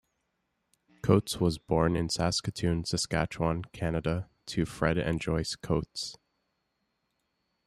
Coates was born in Saskatoon, Saskatchewan, Canada to Fred and Joyce Coates.